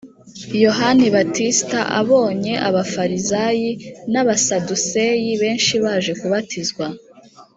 Yohani Batista"Abonye Abafarizayi n'Abasaduseyi benshi baje kubatizwa,